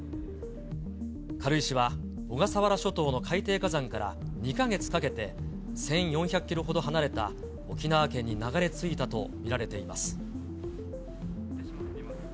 軽石は小笠原諸島の海底火山から、２か月かけて１４００キロほど離れた沖縄県に流れ着いたと見られています。